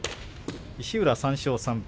石浦３勝３敗。